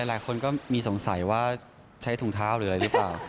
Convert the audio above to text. หลายคนก็มีสงสัยว่าใช้ถุงเท้าหรืออะไรหรือเปล่า